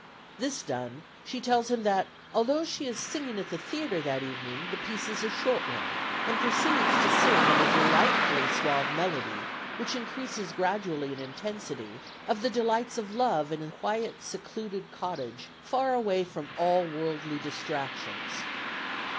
This done, she tells him that although she is singing at the theatre that evening, the piece is a short one, and proceeds to sing in a delightfully suave melody, which increases gradually in intensity, of the delights of love in a quiet secluded cottage far away from all worldly distractions.